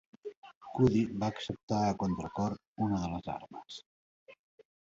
Cuddie va acceptar a contracor una de les armes.